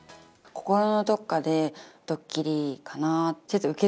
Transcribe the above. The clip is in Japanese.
心のどっかで、どっきりかなって。